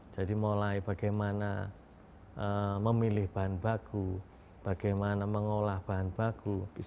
jadi mulai bagaimana memilih bahan baku bagaimana mengolah bahan baku